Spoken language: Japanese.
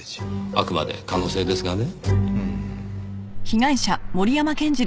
あくまで可能性ですがね。